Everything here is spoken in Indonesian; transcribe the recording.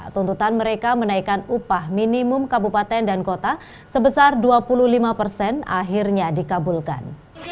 tuntutan mereka menaikkan upah minimum kabupaten dan kota sebesar dua puluh lima persen akhirnya dikabulkan